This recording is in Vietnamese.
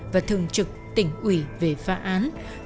và thường trực tỉnh ủy về phá án